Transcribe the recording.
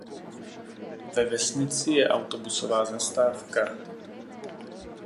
Ve vesnici je autobusová zastávka.